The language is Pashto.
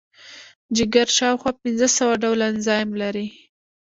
جگر شاوخوا پنځه سوه ډوله انزایم لري.